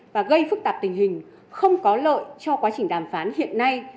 và gây phức tạp tình hình không có lợi cho quá trình đàm phán hiện nay